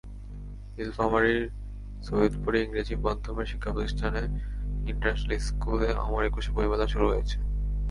নীলফামারীর সৈয়দপুরে ইংরেজি মাধ্যমের শিক্ষাপ্রতিষ্ঠান ইন্টারন্যাশনাল স্কুলে অমর একুশে বইমেলা শুরু হয়েছে।